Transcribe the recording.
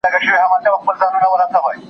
درې درېيم عدد دئ.